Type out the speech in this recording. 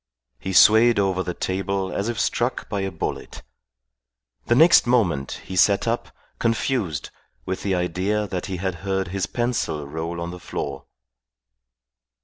He swayed over the table as if struck by a bullet. The next moment he sat up, confused, with the idea that he had heard his pencil roll on the floor.